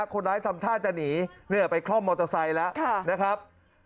คนร้ายทำท่าจะหนีไปคล่อมมอเตอร์ไซค์แล้วนะครับ